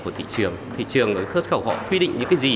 quy định của thị trường thị trường nó khớt khẩu họ quy định những cái gì